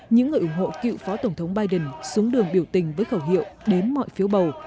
những người ủng hộ cựu phó tổng thống biden xuống đường biểu tình với khẩu hiệu đếm mọi phiếu bầu